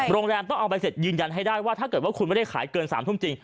โรงแรมต้องเอาใบเสร็จยืนยันให้ได้ว่าถ้าเกิดว่าคุณไม่ได้ขายเกิน๓ทุ่มจริง